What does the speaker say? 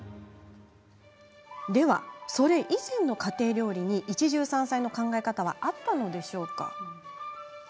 では、それ以前の家庭料理に一汁三菜の考え方はあったのでしょうか。